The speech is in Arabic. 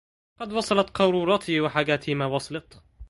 قد وصلت قارورتي وحاجتي ما وصلت